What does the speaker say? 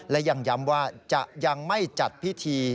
และยังย้ำว่าจะยังไม่จัดพิธี